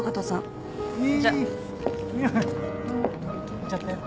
行っちゃったよ。